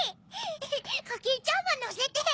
コキンちゃんものせて！